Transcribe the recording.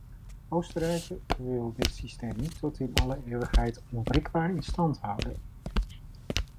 Oostenrijk wil dit systeem niet tot in alle eeuwigheid onwrikbaar in stand houden.